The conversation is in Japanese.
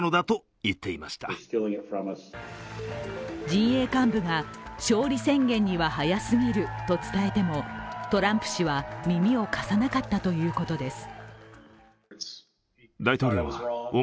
陣営幹部が勝利宣言には早過ぎると伝えてもトランプ氏は耳を貸さなかったということです。